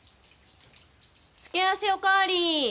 付け合わせおかわりー！